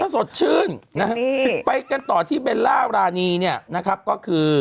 สไปต่อที่เฮล่ารานีนะครับก็คือ